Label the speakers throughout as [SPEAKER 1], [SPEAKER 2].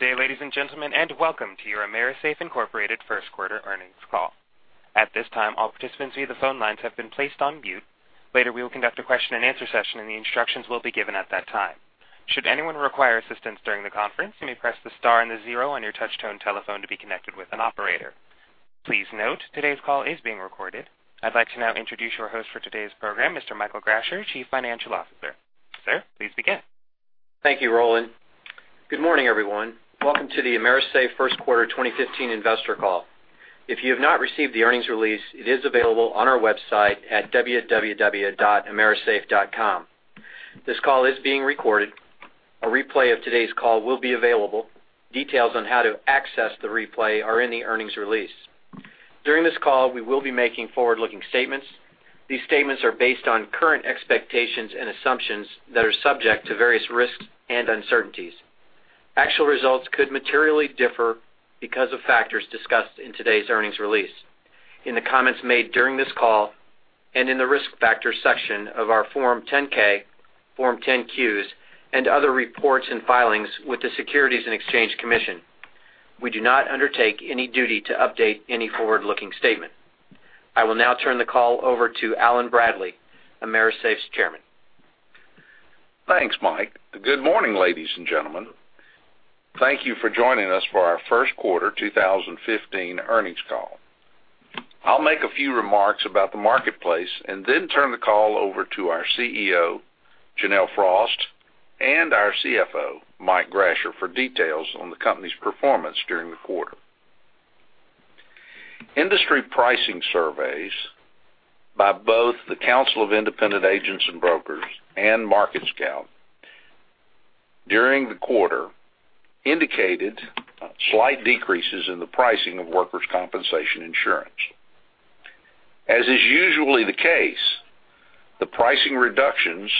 [SPEAKER 1] Good day, ladies and gentlemen, and welcome to your AMERISAFE, Inc. first quarter earnings call. At this time, all participants via the phone lines have been placed on mute. Later, we will conduct a question and answer session, and the instructions will be given at that time. Should anyone require assistance during the conference, you may press the star and the zero on your touch-tone telephone to be connected with an operator. Please note today's call is being recorded. I'd like to now introduce your host for today's program, Mr. Michael Grasher, Chief Financial Officer. Sir, please begin.
[SPEAKER 2] Thank you, Roland. Good morning, everyone. Welcome to the AMERISAFE first quarter 2015 investor call. If you have not received the earnings release, it is available on our website at www.amerisafe.com. This call is being recorded. A replay of today's call will be available. Details on how to access the replay are in the earnings release. During this call, we will be making forward-looking statements. These statements are based on current expectations and assumptions that are subject to various risks and uncertainties. Actual results could materially differ because of factors discussed in today's earnings release, in the comments made during this call, and in the Risk Factors section of our Form 10-K, Form 10-Qs, and other reports and filings with the Securities and Exchange Commission. We do not undertake any duty to update any forward-looking statement. I will now turn the call over to Allen Bradley, AMERISAFE's Chairman.
[SPEAKER 3] Thanks, Mike. Good morning, ladies and gentlemen. Thank you for joining us for our first quarter 2015 earnings call. I'll make a few remarks about the marketplace and then turn the call over to our CEO, Janelle Frost, and our CFO, Mike Grasher, for details on the company's performance during the quarter. Industry pricing surveys by both the Council of Insurance Agents & Brokers and MarketScout during the quarter indicated slight decreases in the pricing of workers' compensation insurance. As is usually the case, the pricing reductions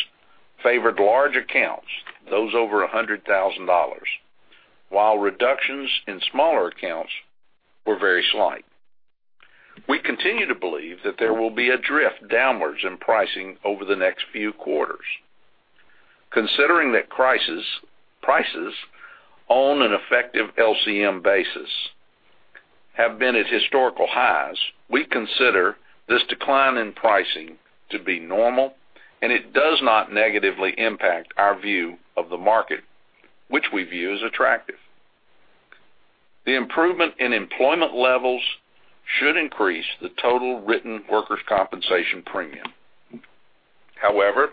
[SPEAKER 3] favored large accounts, those over $100,000, while reductions in smaller accounts were very slight. We continue to believe that there will be a drift downwards in pricing over the next few quarters. Considering that prices on an effective LCM basis have been at historical highs, we consider this decline in pricing to be normal, and it does not negatively impact our view of the market, which we view as attractive. The improvement in employment levels should increase the total written workers' compensation premium. However,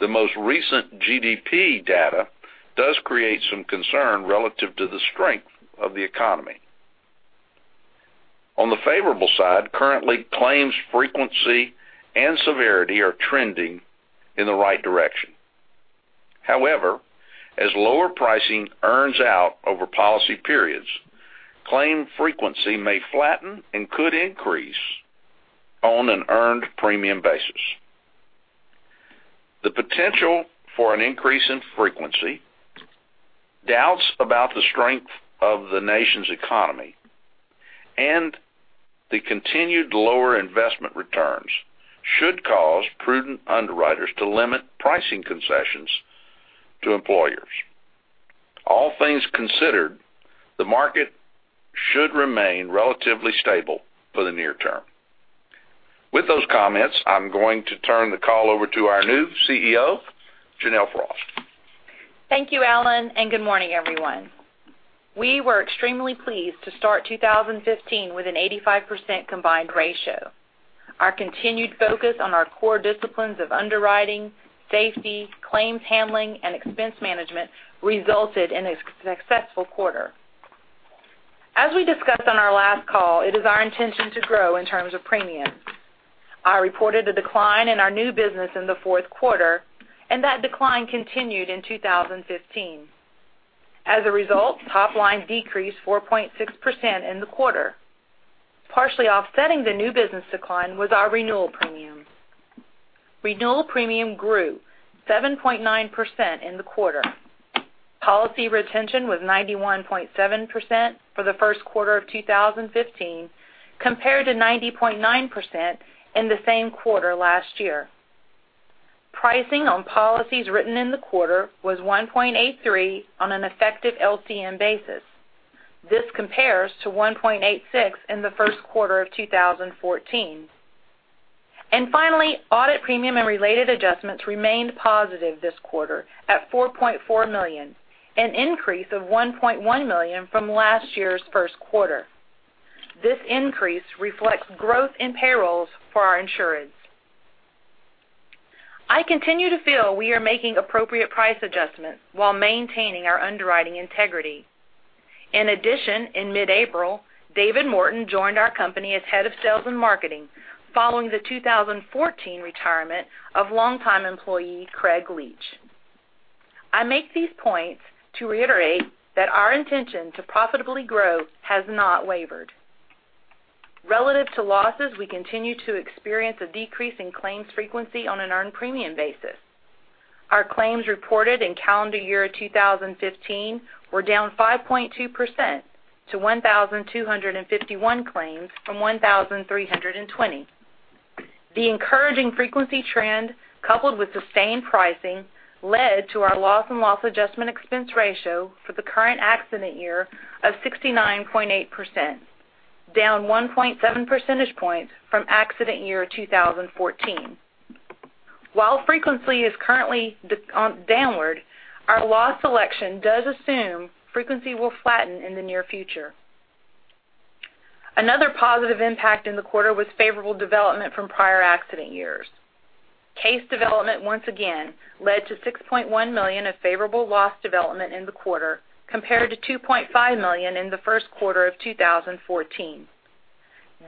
[SPEAKER 3] the most recent GDP data does create some concern relative to the strength of the economy. On the favorable side, currently claims frequency and severity are trending in the right direction. However, as lower pricing earns out over policy periods, claim frequency may flatten and could increase on an earned premium basis. The potential for an increase in frequency, doubts about the strength of the nation's economy, and the continued lower investment returns should cause prudent underwriters to limit pricing concessions to employers. All things considered, the market should remain relatively stable for the near term. With those comments, I'm going to turn the call over to our new CEO, Janelle Frost.
[SPEAKER 4] Thank you, Allen, good morning, everyone. We were extremely pleased to start 2015 with an 85% combined ratio. Our continued focus on our core disciplines of underwriting, safety, claims handling, and expense management resulted in a successful quarter. As we discussed on our last call, it is our intention to grow in terms of premium. I reported a decline in our new business in the fourth quarter, and that decline continued in 2015. As a result, top line decreased 4.6% in the quarter. Partially offsetting the new business decline was our renewal premium. Renewal premium grew 7.9% in the quarter. Policy retention was 91.7% for the first quarter of 2015, compared to 90.9% in the same quarter last year. Pricing on policies written in the quarter was 1.83 on an effective LCM basis. This compares to 1.86 in the first quarter of 2014. Finally, audit premium and related adjustments remained positive this quarter at $4.4 million, an increase of $1.1 million from last year's first quarter. This increase reflects growth in payrolls for our insureds. I continue to feel we are making appropriate price adjustments while maintaining our underwriting integrity. In addition, in mid-April, David Morton joined our company as Head of Sales and Marketing following the 2014 retirement of longtime employee Craig Leach. I make these points to reiterate that our intention to profitably grow has not wavered. Relative to losses, we continue to experience a decrease in claims frequency on an earned premium basis. Our claims reported in calendar year 2015 were down 5.2% to 1,251 claims from 1,320. The encouraging frequency trend, coupled with sustained pricing, led to our loss and loss adjustment expense ratio for the current accident year of 69.8%, down 1.7 percentage points from accident year 2014. While frequency is currently downward, our loss selection does assume frequency will flatten in the near future. Another positive impact in the quarter was favorable development from prior accident years. Case development, once again, led to $6.1 million of favorable loss development in the quarter compared to $2.5 million in the first quarter of 2014.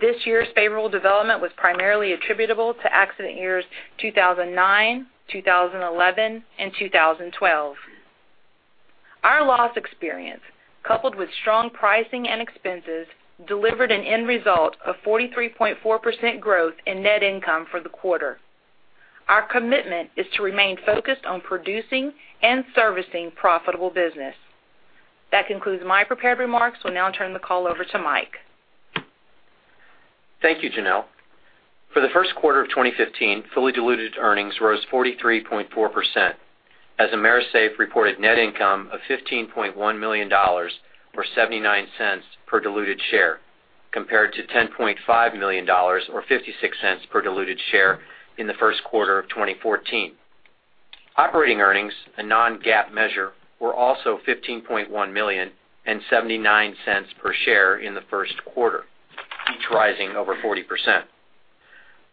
[SPEAKER 4] This year's favorable development was primarily attributable to accident years 2009, 2011, and 2012. Our loss experience, coupled with strong pricing and expenses, delivered an end result of 43.4% growth in net income for the quarter. Our commitment is to remain focused on producing and servicing profitable business. That concludes my prepared remarks. Will now turn the call over to Mike.
[SPEAKER 2] Thank you, Janelle. For the first quarter of 2015, fully diluted earnings rose 43.4%, as AMERISAFE reported net income of $15.1 million, or $0.79 per diluted share, compared to $10.5 million, or $0.56 per diluted share in the first quarter of 2014. Operating earnings, a non-GAAP measure, were also $15.1 million and $0.79 per share in the first quarter, each rising over 40%.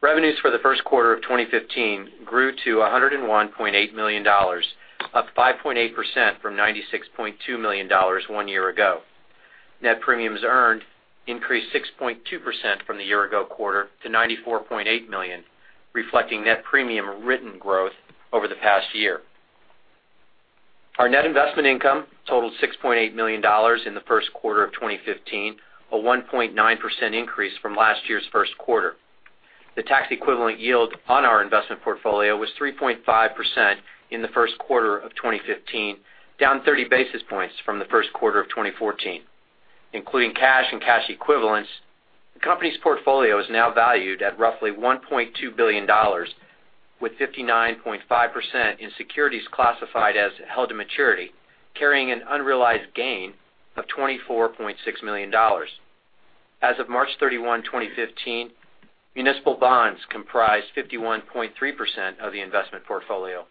[SPEAKER 2] Revenues for the first quarter of 2015 grew to $101.8 million, up 5.8% from $96.2 million one year ago. Net premiums earned increased 6.2% from the year-ago quarter to $94.8 million, reflecting net premium written growth over the past year. Our net investment income totaled $6.8 million in the first quarter of 2015, a 1.9% increase from last year's first quarter. The tax equivalent yield on our investment portfolio was 3.5% in the first quarter of 2015, down 30 basis points from the first quarter of 2014. Including cash and cash equivalents, the company's portfolio is now valued at roughly $1.2 billion, with 59.5% in securities classified as held to maturity, carrying an unrealized gain of $24.6 million. As of March 31, 2015, municipal bonds comprise 51.3% of the investment portfolio.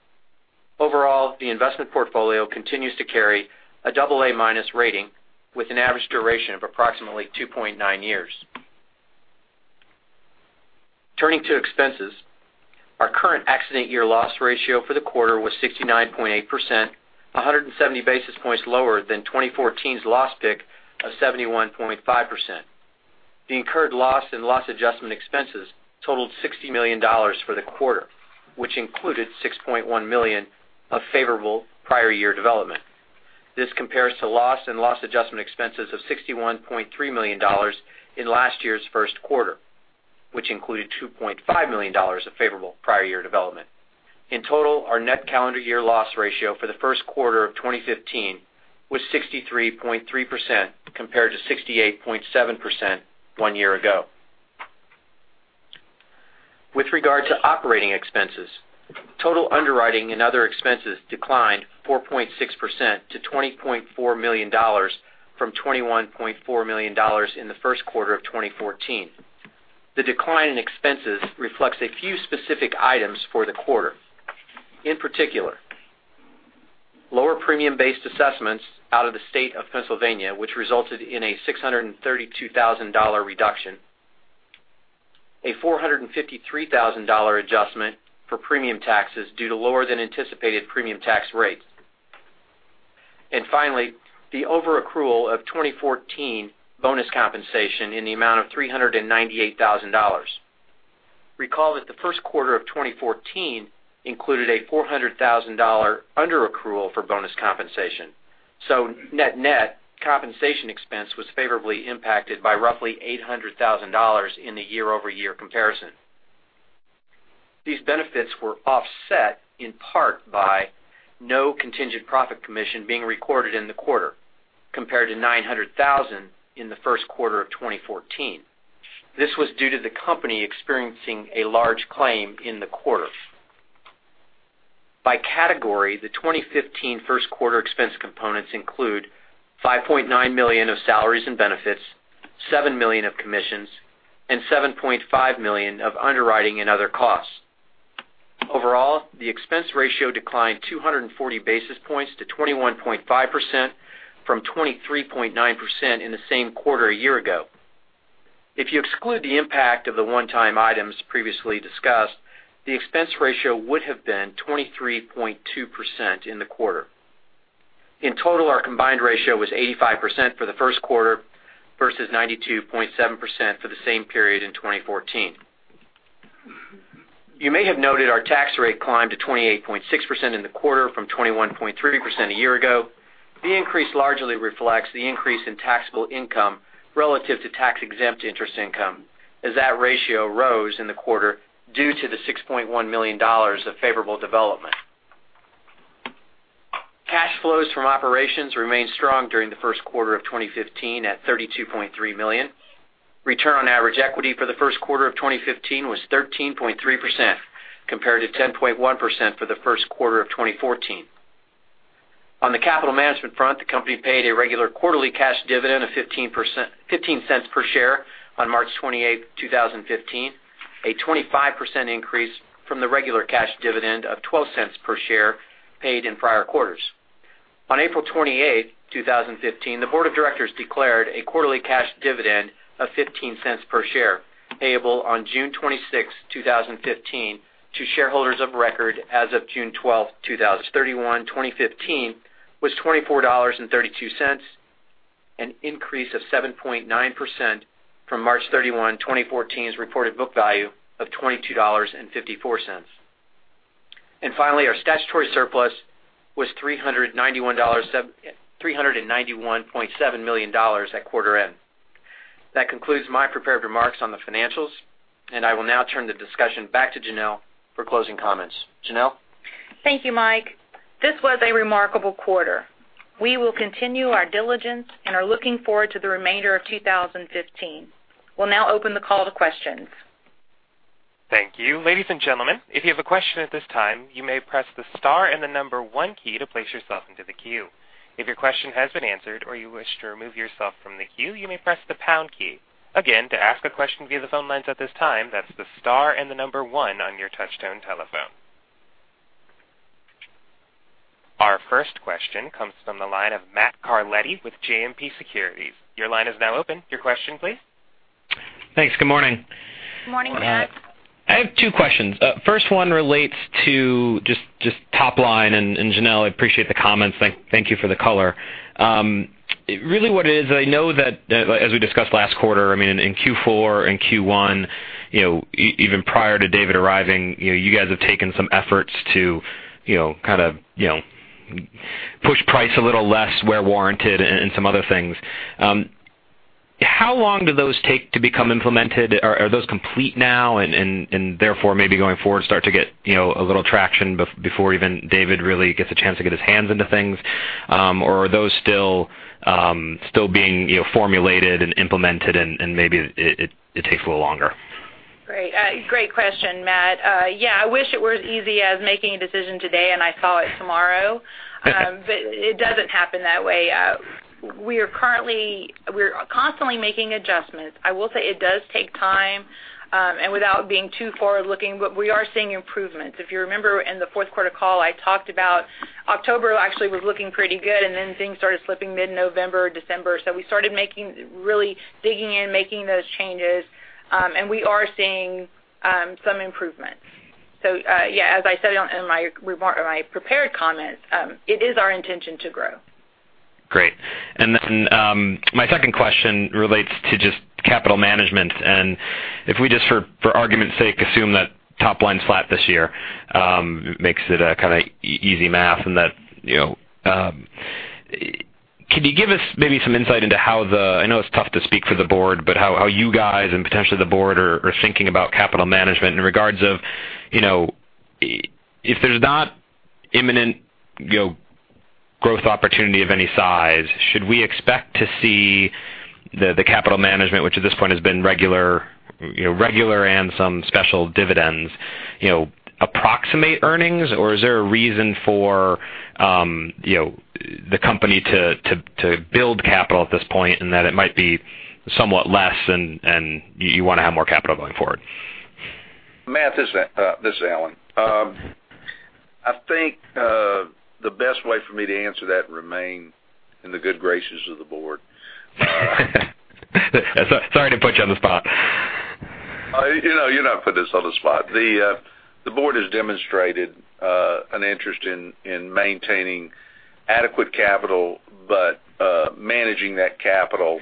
[SPEAKER 2] Overall, the investment portfolio continues to carry a double A minus rating with an average duration of approximately 2.9 years. Turning to expenses, our current accident year loss ratio for the quarter was 69.8%, 170 basis points lower than 2014's loss pick of 71.5%. The incurred loss and loss adjustment expenses totaled $60 million for the quarter, which included $6.1 million of favorable prior year development. This compares to loss and loss adjustment expenses of $61.3 million in last year's first quarter, which included $2.5 million of favorable prior year development. In total, our net calendar year loss ratio for the first quarter of 2015 was 63.3%, compared to 68.7% one year ago. With regard to operating expenses, total underwriting and other expenses declined 4.6% to $20.4 million from $21.4 million in the first quarter of 2014. The decline in expenses reflects a few specific items for the quarter. In particular, lower premium-based assessments out of the state of Pennsylvania, which resulted in a $632,000 reduction, a $453,000 adjustment for premium taxes due to lower than anticipated premium tax rates. Finally, the overaccrual of 2014 bonus compensation in the amount of $398,000. Recall that the first quarter of 2014 included a $400,000 underaccrual for bonus compensation. Net-net compensation expense was favorably impacted by roughly $800,000 in the year-over-year comparison. These benefits were offset in part by no contingent profit commission being recorded in the quarter, compared to $900,000 in the first quarter of 2014. This was due to the company experiencing a large claim in the quarter. By category, the 2015 first quarter expense components include $5.9 million of salaries and benefits, $7 million of commissions, and $7.5 million of underwriting and other costs. Overall, the expense ratio declined 240 basis points to 21.5% from 23.9% in the same quarter a year ago. If you exclude the impact of the one-time items previously discussed, the expense ratio would have been 23.2% in the quarter. In total, our combined ratio was 85% for the first quarter versus 92.7% for the same period in 2014. You may have noted our tax rate climbed to 28.6% in the quarter from 21.3% a year ago. The increase largely reflects the increase in taxable income relative to tax-exempt interest income, as that ratio rose in the quarter due to the $6.1 million of favorable development. Cash flows from operations remained strong during the first quarter of 2015 at $32.3 million. Return on average equity for the first quarter of 2015 was 13.3%, compared to 10.1% for the first quarter of 2014. On the capital management front, the company paid a regular quarterly cash dividend of $0.15 per share on March 28th, 2015, a 25% increase from the regular cash dividend of $0.12 per share paid in prior quarters. On April 28th, 2015, the board of directors declared a quarterly cash dividend of $0.15 per share, payable on June 26th, 2015, to shareholders of record as of June [12th, 31,] 2015, was $24.32, an increase of 7.9% from March 31, 2014's reported book value of $22.54. Finally, our statutory surplus was $391.7 million at quarter end. That concludes my prepared remarks on the financials, and I will now turn the discussion back to Janelle for closing comments. Janelle?
[SPEAKER 4] Thank you, Mike. This was a remarkable quarter. We will continue our diligence and are looking forward to the remainder of 2015. We'll now open the call to questions.
[SPEAKER 1] Thank you. Ladies and gentlemen, if you have a question at this time, you may press the star and the number one key to place yourself into the queue. If your question has been answered or you wish to remove yourself from the queue, you may press the pound key. Again, to ask a question via the phone lines at this time, that's the star and the number one on your touch-tone telephone. Our first question comes from the line of Matthew Carletti with JMP Securities. Your line is now open. Your question please.
[SPEAKER 5] Thanks. Good morning.
[SPEAKER 4] Good morning, Matt.
[SPEAKER 5] I have two questions. First one relates to just top line, and Janelle, I appreciate the comments. Thank you for the color. Really what it is, I know that as we discussed last quarter, in Q4 and Q1, even prior to David arriving, you guys have taken some efforts to kind of push price a little less where warranted and some other things. How long do those take to become implemented? Are those complete now, and therefore maybe going forward, start to get a little traction before even David really gets a chance to get his hands into things? Or are those still being formulated and implemented and maybe it takes a little longer?
[SPEAKER 4] Great question, Matt. Yeah, I wish it were as easy as making a decision today and I saw it tomorrow. It doesn't happen that way. We are constantly making adjustments. I will say it does take time, and without being too forward-looking, but we are seeing improvements. If you remember in the fourth quarter call, I talked about October actually was looking pretty good, and then things started slipping mid-November, December. We started really digging in, making those changes, and we are seeing some improvement. Yeah, as I said in my prepared comments, it is our intention to grow.
[SPEAKER 5] Great. My second question relates to just capital management, and if we just for argument's sake, assume that top line's flat this year, makes it a kind of easy math. Can you give us maybe some insight into how the, I know it's tough to speak for the Board, but how you guys and potentially the Board are thinking about capital management in regards of if there's not imminent growth opportunity of any size, should we expect to see the capital management, which at this point has been regular and some special dividends, approximate earnings? Is there a reason for the company to build capital at this point, and that it might be somewhat less and you want to have more capital going forward?
[SPEAKER 3] Matt, this is Allen. I think the best way for me to answer that and remain in the good graces of the Board.
[SPEAKER 5] Sorry to put you on the spot.
[SPEAKER 3] You're not putting us on the spot. The board has demonstrated an interest in maintaining adequate capital, but managing that capital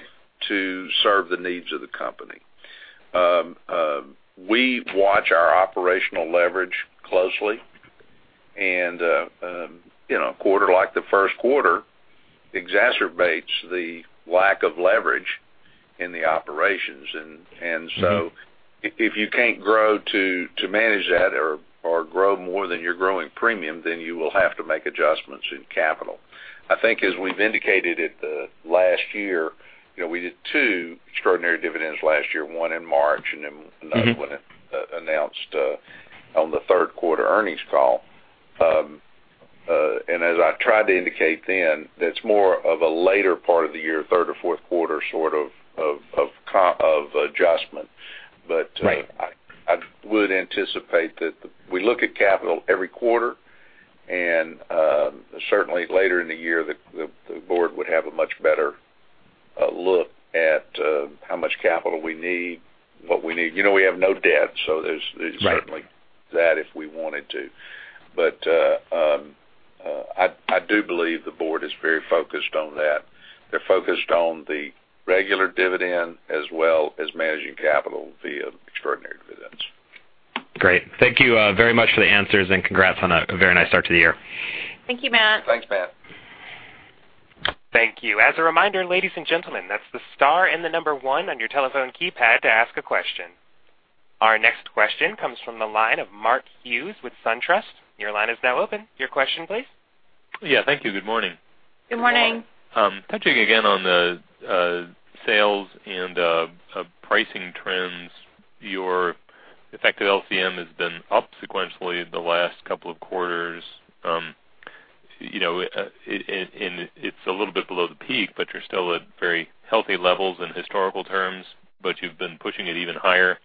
[SPEAKER 3] to serve the needs of the company. We watch our operational leverage closely and a quarter like the first quarter exacerbates the lack of leverage in the operations. If you can't grow to manage that or grow more than you're growing premium, then you will have to make adjustments in capital. I think as we've indicated at the last year, we did two extraordinary dividends last year, one in March and then another one announced on the third quarter earnings call. I tried to indicate then, that's more of a later part of the year, third or fourth quarter sort of adjustment.
[SPEAKER 5] Right.
[SPEAKER 3] I would anticipate that we look at capital every quarter and certainly later in the year, the board would have a much better look at how much capital we need, what we need. We have no debt, so there's-
[SPEAKER 5] Right
[SPEAKER 3] certainly that if we wanted to. I do believe the board is very focused on that. They're focused on the regular dividend as well as managing capital via extraordinary dividends.
[SPEAKER 5] Great. Thank you very much for the answers and congrats on a very nice start to the year.
[SPEAKER 4] Thank you, Matt.
[SPEAKER 3] Thanks, Matt.
[SPEAKER 1] Thank you. As a reminder, ladies and gentlemen, that's the star and the number 1 on your telephone keypad to ask a question. Our next question comes from the line of Mark Hughes with SunTrust. Your line is now open. Your question, please.
[SPEAKER 6] Yeah, thank you. Good morning.
[SPEAKER 4] Good morning.
[SPEAKER 6] Touching again on the sales and pricing trends, your effective LCM has been up sequentially the last couple of quarters. It's a little bit below the peak, but you're still at very healthy levels in historical terms, but you've been pushing it even higher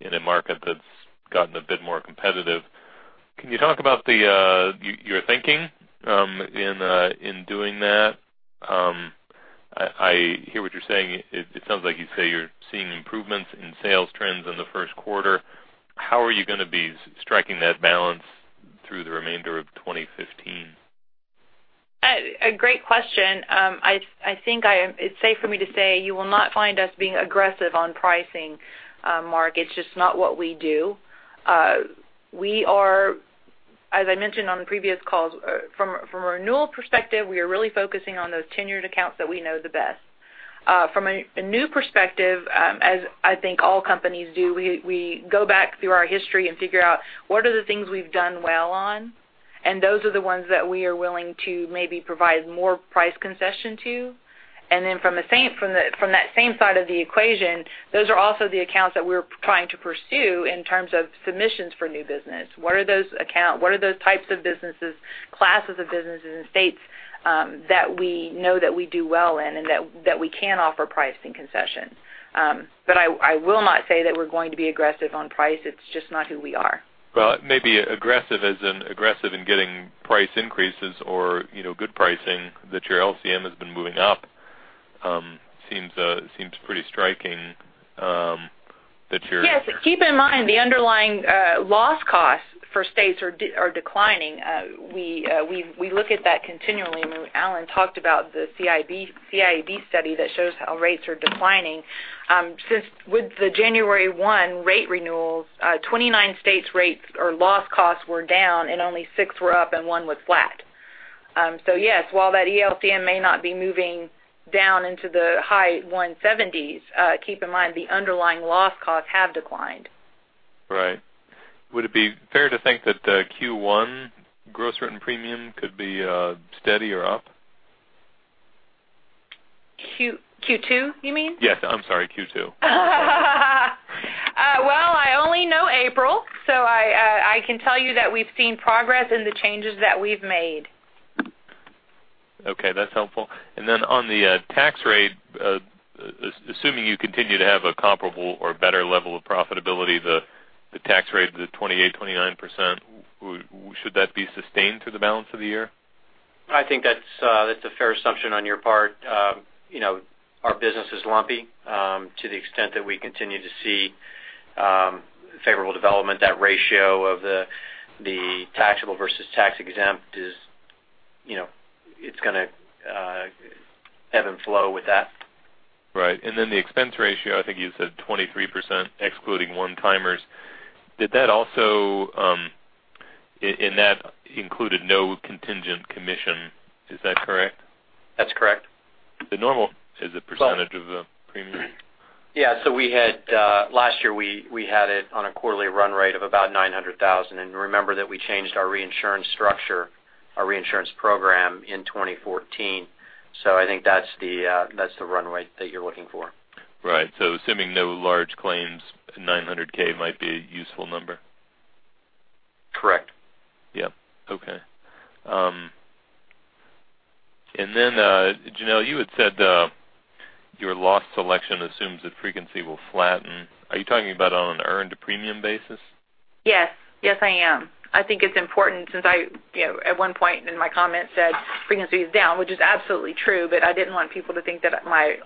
[SPEAKER 6] in a market that's gotten a bit more competitive. Can you talk about your thinking in doing that? I hear what you're saying. It sounds like you say you're seeing improvements in sales trends in the first quarter. How are you going to be striking that balance through the remainder of 2015?
[SPEAKER 4] A great question. I think it's safe for me to say you will not find us being aggressive on pricing, Mark. It's just not what we do. As I mentioned on the previous calls, from a renewal perspective, we are really focusing on those tenured accounts that we know the best. From a new perspective, as I think all companies do, we go back through our history and figure out what are the things we've done well on, and those are the ones that we are willing to maybe provide more price concession to. Then from that same side of the equation, those are also the accounts that we're trying to pursue in terms of submissions for new business. What are those types of businesses, classes of businesses, and states that we know that we do well in and that we can offer pricing concessions? I will not say that we're going to be aggressive on price. It's just not who we are.
[SPEAKER 6] Well, maybe aggressive as in aggressive in getting price increases or good pricing, that your ELCM has been moving up. Seems pretty striking that you're-
[SPEAKER 4] Yes, keep in mind, the underlying loss costs for states are declining. We look at that continually, and Allen talked about the CIAB study that shows how rates are declining. With the January 1 rate renewals, 29 states' rates or loss costs were down, and only six were up and one was flat. Yes, while that ELCM may not be moving down into the high 170s, keep in mind the underlying loss costs have declined.
[SPEAKER 6] Right. Would it be fair to think that Q1 gross written premium could be steady or up?
[SPEAKER 4] Q2, you mean?
[SPEAKER 6] Yes, I'm sorry, Q2.
[SPEAKER 4] Well, I only know April, so I can tell you that we've seen progress in the changes that we've made.
[SPEAKER 6] Okay, that's helpful. On the tax rate, assuming you continue to have a comparable or better level of profitability, the tax rate of the 28%, 29%, should that be sustained through the balance of the year?
[SPEAKER 2] I think that's a fair assumption on your part. Our business is lumpy to the extent that we continue to see favorable development. That ratio of the taxable versus tax exempt, it's going to ebb and flow with that.
[SPEAKER 6] Right. Then the expense ratio, I think you said 23% excluding one-timers. That included no contingent commission, is that correct?
[SPEAKER 2] That's correct.
[SPEAKER 6] The normal is a percentage of the premium.
[SPEAKER 2] Yeah. Last year, we had it on a quarterly run rate of about $900,000. Remember that we changed our reinsurance structure, our reinsurance program in 2014. I think that's the run rate that you're looking for.
[SPEAKER 6] Right. Assuming no large claims, $900K might be a useful number.
[SPEAKER 2] Correct.
[SPEAKER 6] Yep. Okay. Then, Janelle, you had said your loss selection assumes that frequency will flatten. Are you talking about on an earned premium basis?
[SPEAKER 4] Yes. Yes, I am. I think it's important since at one point in my comment said frequency is down, which is absolutely true. I didn't want people to think that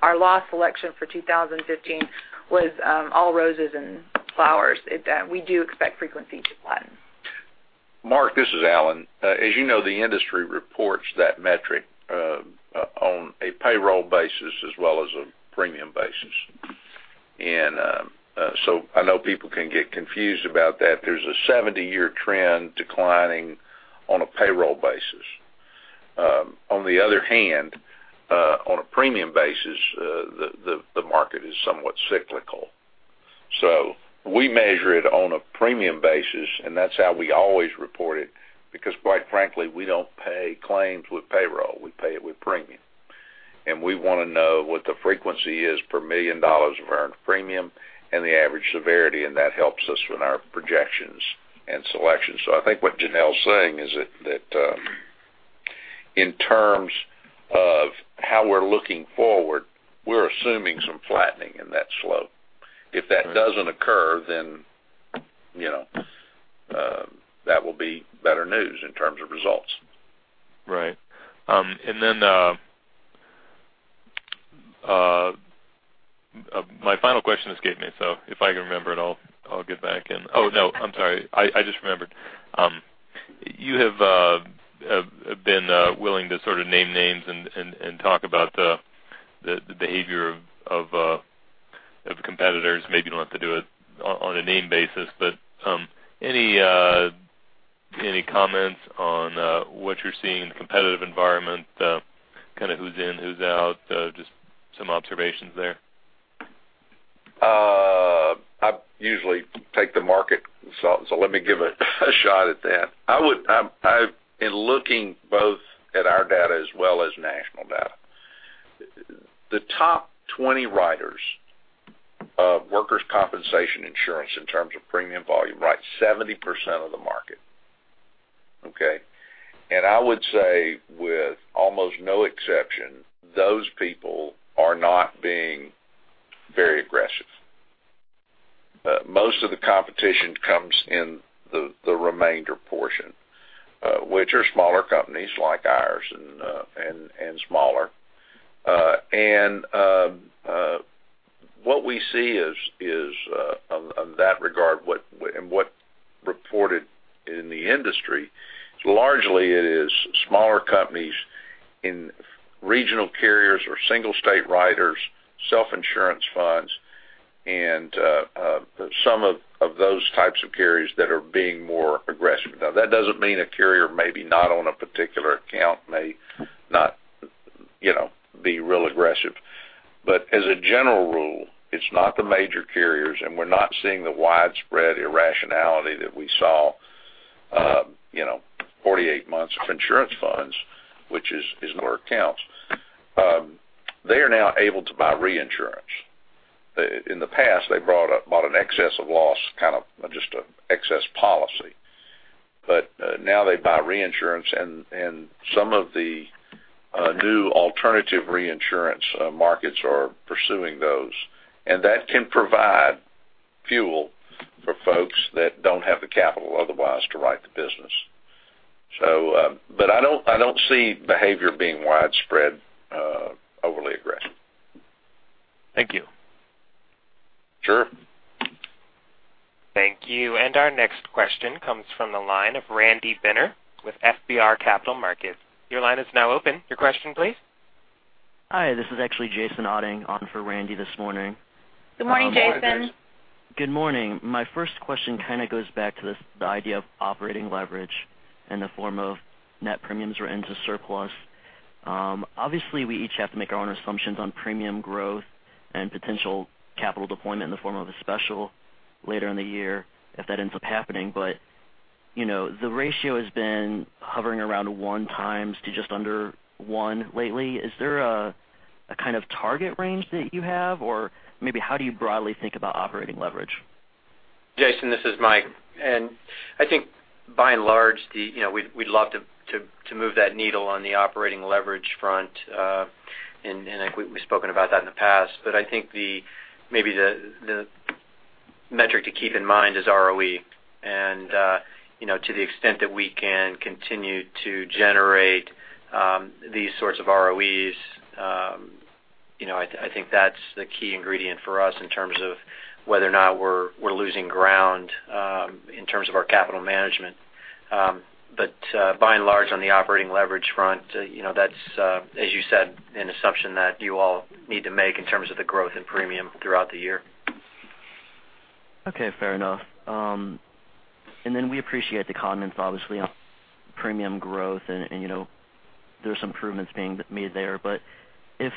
[SPEAKER 4] our loss selection for 2015 was all roses and flowers. We do expect frequency to flatten.
[SPEAKER 3] Mark, this is Allen. As you know, the industry reports that metric on a payroll basis as well as a premium basis. I know people can get confused about that. There's a 70-year trend declining on a payroll basis. On the other hand, on a premium basis, the market is somewhat cyclical. We measure it on a premium basis, and that's how we always report it, because quite frankly, we don't pay claims with payroll. We pay it with premium. We want to know what the frequency is per million dollars of earned premium and the average severity, and that helps us in our projections and selection. I think what Janelle's saying is that in terms of how we're looking forward, we're assuming some flattening in that slope. If that doesn't occur, that will be better news in terms of results.
[SPEAKER 6] Right. My final question escaped me, so if I can remember it, I'll get back and oh, no, I'm sorry. I just remembered. You have been willing to sort of name names and talk about the behavior of competitors. Maybe you don't have to do it on a name basis, but any comments on what you're seeing in the competitive environment? Kind of who's in, who's out, just some observations there.
[SPEAKER 3] I usually take the market, let me give a shot at that. In looking both at our data as well as national data, the top 20 writers of workers' compensation insurance in terms of premium volume write 70% of the market. Okay? I would say with almost no exception, those people are not being very aggressive. Most of the competition comes in the remainder portion, which are smaller companies like ours and smaller. What we see is, of that regard, and what reported in the industry, is largely it is smaller companies in regional carriers or single state writers, self-insurance funds, and some of those types of carriers that are being more aggressive. That doesn't mean a carrier maybe not on a particular account may not be real aggressive. As a general rule, it's not the major carriers, and we're not seeing the widespread irrationality that we saw 48 months of insurance funds, which is where it counts. They are now able to buy reinsurance. In the past, they bought an excess of loss, kind of just an excess policy. Now they buy reinsurance and some of the new alternative reinsurance markets are pursuing those. That can provide fuel for folks that don't have the capital otherwise to write the business. I don't see behavior being widespread, overly aggressive.
[SPEAKER 2] Thank you.
[SPEAKER 3] Sure.
[SPEAKER 1] Thank you. Our next question comes from the line of Randy Binner with FBR Capital Markets. Your line is now open. Your question, please.
[SPEAKER 7] Hi, this is actually Jason Oetting on for Randy this morning.
[SPEAKER 4] Good morning, Jason Oetting.
[SPEAKER 7] Good morning. My first question kind of goes back to this, the idea of operating leverage in the form of net premiums written to surplus. Obviously, we each have to make our own assumptions on premium growth and potential capital deployment in the form of a special later in the year if that ends up happening. The ratio has been hovering around 1x to just under 1 lately. Is there a kind of target range that you have, or maybe how do you broadly think about operating leverage?
[SPEAKER 2] Jason Oetting, this is Michael Grasher. I think by and large, we'd love to move that needle on the operating leverage front. I think we've spoken about that in the past, but I think maybe the metric to keep in mind is ROE. To the extent that we can continue to generate these sorts of ROEs, I think that's the key ingredient for us in terms of whether or not we're losing ground in terms of our capital management. By and large on the operating leverage front, that's, as you said, an assumption that you all need to make in terms of the growth in premium throughout the year.
[SPEAKER 7] Okay, fair enough. We appreciate the comments, obviously, on premium growth and there's some improvements being made there. If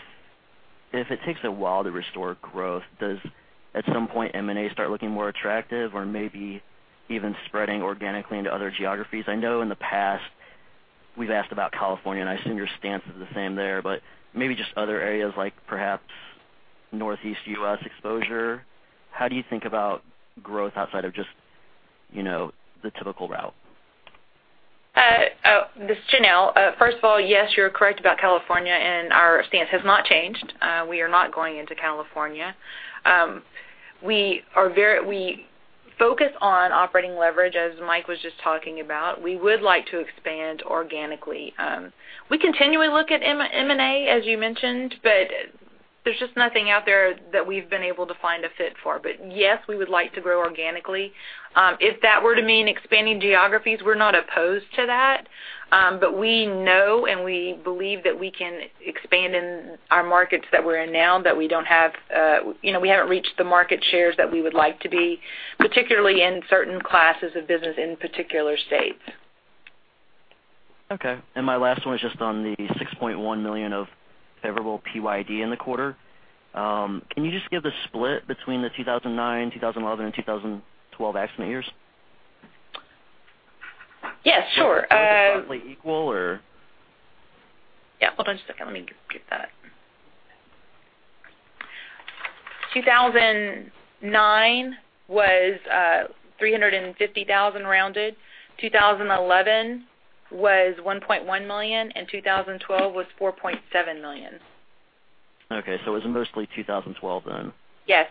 [SPEAKER 7] it takes a while to restore growth, does at some point M&A start looking more attractive or maybe even spreading organically into other geographies? I know in the past we've asked about California, and I assume your stance is the same there, but maybe just other areas like perhaps Northeast U.S. exposure. How do you think about growth outside of just the typical route?
[SPEAKER 4] This is Janelle. First of all, yes, you're correct about California, our stance has not changed. We are not going into California. We focus on operating leverage, as Mike was just talking about. We would like to expand organically. We continually look at M&A, as you mentioned, but there's just nothing out there that we've been able to find a fit for. Yes, we would like to grow organically. If that were to mean expanding geographies, we're not opposed to that. We know and we believe that we can expand in our markets that we're in now, that we haven't reached the market shares that we would like to be, particularly in certain classes of business in particular states.
[SPEAKER 7] Okay. My last one was just on the $6.1 million of favorable PYD in the quarter. Can you just give the split between the 2009, 2011, and 2012 accident years?
[SPEAKER 4] Yes, sure.
[SPEAKER 7] Was it partly equal or?
[SPEAKER 4] Yeah, hold on a second. Let me get that. 2009 was $350,000 rounded, 2011 was $1.1 million, and 2012 was $4.7 million.
[SPEAKER 7] Okay, it was mostly 2012 then.
[SPEAKER 4] Yes.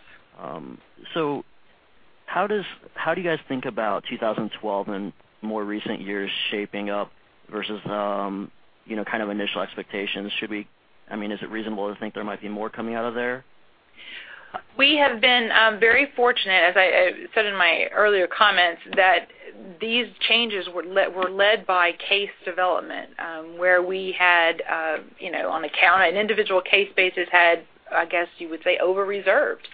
[SPEAKER 7] How do you guys think about 2012 and more recent years shaping up versus kind of initial expectations? Is it reasonable to think there might be more coming out of there?
[SPEAKER 4] We have been very fortunate, as I said in my earlier comments, that these changes were led by case development, where we had on an individual case basis had, I guess you would say, over-reserved.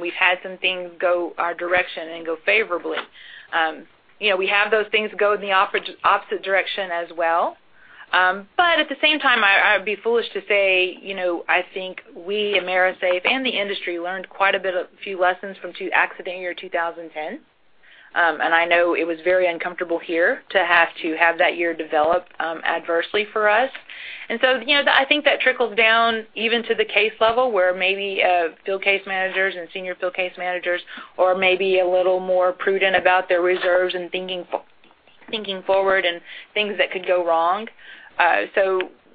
[SPEAKER 4] We've had some things go our direction and go favorably. At the same time, I'd be foolish to say, I think we at AMERISAFE and the industry learned quite a few lessons from accident year 2010. I know it was very uncomfortable here to have that year develop adversely for us. I think that trickled down even to the case level, where maybe field case managers and senior field case managers are maybe a little more prudent about their reserves in thinking forward and things that could go wrong.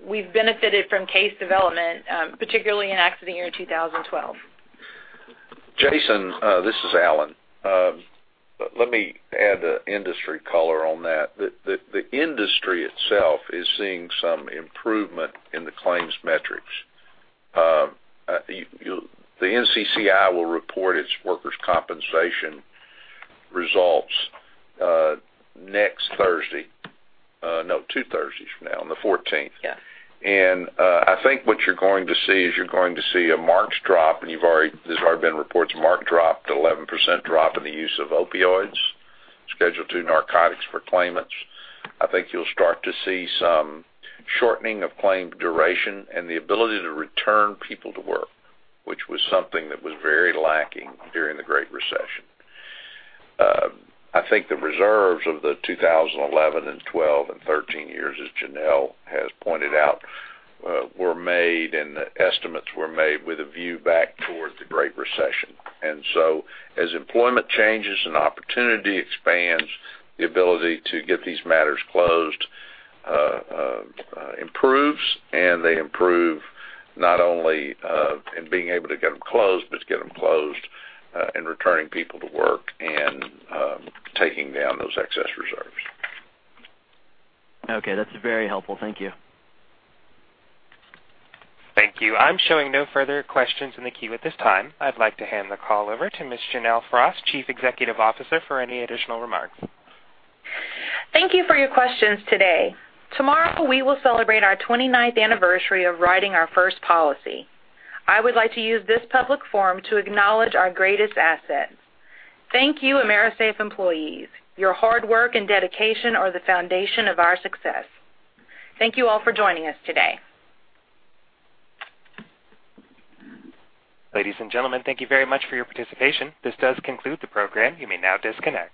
[SPEAKER 4] We've benefited from case development, particularly in accident year 2012.
[SPEAKER 3] Jason, this is Allen. Let me add an industry color on that. The industry itself is seeing some improvement in the claims metrics. The NCCI will report its workers' compensation results next Thursday. No, two Thursdays from now, on the 14th.
[SPEAKER 4] Yes.
[SPEAKER 3] I think what you're going to see is you're going to see a marked drop, and there's already been reports, a marked drop, an 11% drop in the use of opioids, Schedule II narcotics for claimants. I think you'll start to see some shortening of claim duration and the ability to return people to work, which was something that was very lacking during the Great Recession. I think the reserves of the 2011 and 2012 and 2013 years, as Janelle has pointed out, were made, and the estimates were made with a view back towards the Great Recession. As employment changes and opportunity expands, the ability to get these matters closed improves, and they improve not only in being able to get them closed, but to get them closed and returning people to work and taking down those excess reserves.
[SPEAKER 7] Okay. That's very helpful. Thank you.
[SPEAKER 1] Thank you. I'm showing no further questions in the queue at this time. I'd like to hand the call over to Ms. Janelle Frost, Chief Executive Officer, for any additional remarks.
[SPEAKER 4] Thank you for your questions today. Tomorrow, we will celebrate our 29th anniversary of writing our first policy. I would like to use this public forum to acknowledge our greatest asset. Thank you, AMERISAFE employees. Your hard work and dedication are the foundation of our success. Thank you all for joining us today.
[SPEAKER 1] Ladies and gentlemen, thank you very much for your participation. This does conclude the program. You may now disconnect.